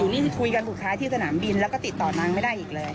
อยู่นี่คุยกันปลูกค้าที่สนามบินแล้วก็ติดต่อน้องไม่ได้อีกเลย